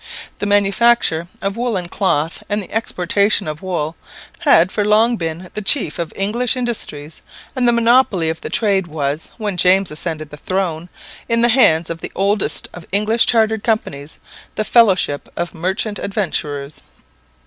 The manufacture of woollen cloth and the exportation of wool had for long been the chief of English industries; and the monopoly of the trade was, when James ascended the throne, in the hands of the oldest of English chartered companies, the Fellowship of Merchant Adventurers.